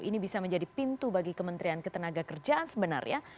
ini bisa menjadi pintu bagi kementerian ketenaga kerjaan sebenarnya